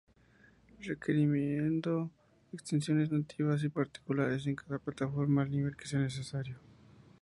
Requiriendo extensiones nativas y particulares en cada plataforma, al nivel que sea necesario.